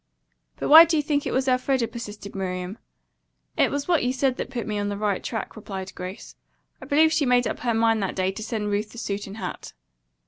"But why do you think it was Elfreda?" persisted Miriam. "It was what you said that put me on the right track," replied Grace. "I believe she made up her mind that day to send Ruth the suit and hat."